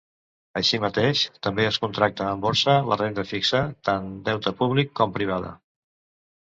Així mateix, també es contracta en borsa la renda fixa, tant deute públic com privada.